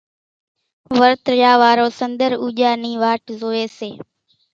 ورت ريا وارو سنۮر اُوڄان ني واٽ زوئي سي